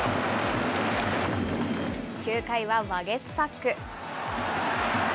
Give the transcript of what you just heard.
９回はワゲスパック。